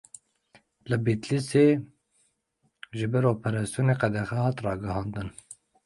Li Bedlîsê ji ber operasyonê, qedexe hat ragihandin.